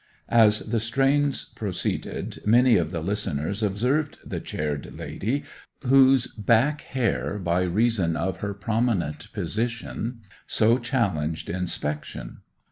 As the strains proceeded many of the listeners observed the chaired lady, whose back hair, by reason of her prominent position, so challenged inspection.